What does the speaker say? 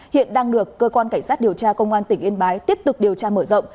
hiện đang được cơ quan cảnh sát điều tra công an tỉnh yên bái tiếp tục điều tra mở rộng